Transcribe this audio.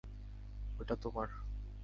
এটা তোমার।